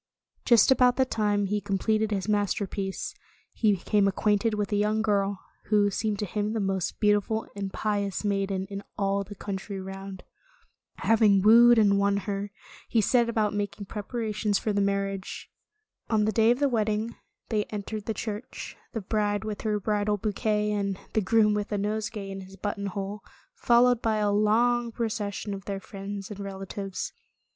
Just about the time he completed his masterpiece, he became acquainted with a young girl, who , seemed to him the most beautiful and pious maiden in all the coun try round. Having wooed and won her, he set about making preparations for the marriage. On the day of the wedding they entered 129 130 Tales of Modern Germany the church, the bride with her bridal bouquet, and the groom with a nosegay in his buttonhole, followed by a long proces sion of their friends and relatives.